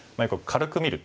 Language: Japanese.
軽く見る。